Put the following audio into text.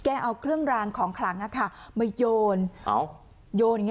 เอาเครื่องรางของครังมาโยน